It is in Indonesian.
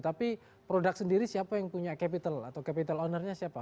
tapi produk sendiri siapa yang punya capital atau capital ownernya siapa